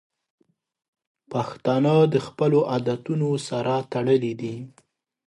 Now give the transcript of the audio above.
پښتانه د خپلو عادتونو سره تړلي دي.